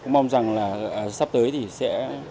mong rằng sắp tới sẽ